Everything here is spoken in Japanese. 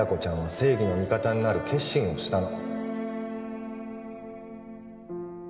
正義の味方になる決心をしたの